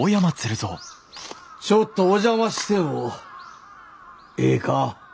ちょっとお邪魔してもええか？